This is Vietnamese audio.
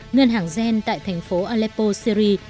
ngân hàng gen tại thành phố aleppo syri